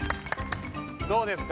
どうですか？